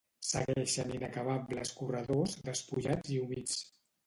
Segueixen inacabables corredors, despullats i humits.